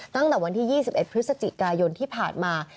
ตั้งแต่วันที่๒๑พฤศจิกายนที่ผ่านมา